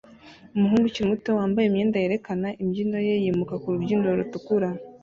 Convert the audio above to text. Umuhungu ukiri muto wambaye imyenda yerekana imbyino ye yimuka ku rubyiniro rutukura